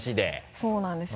そうなんですよ